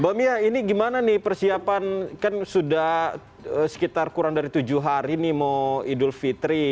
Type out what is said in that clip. mbak mia ini gimana nih persiapan kan sudah sekitar kurang dari tujuh hari nih mau idul fitri